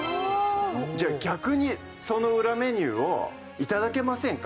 じゃあ逆にその裏メニューを頂けませんか？